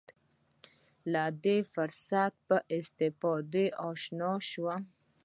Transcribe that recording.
له دې فرصته په استفادې اشنا شم.